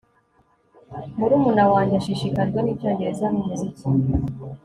Murumuna wanjye ashishikajwe nicyongereza numuziki